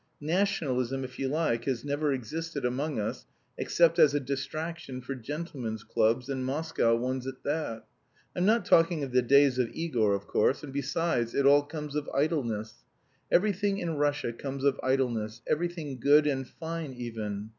Nationalism, if you like, has never existed among us except as a distraction for gentlemen's clubs, and Moscow ones at that. I'm not talking of the days of Igor, of course. And besides it all comes of idleness. Everything in Russia comes of idleness, everything good and fine even.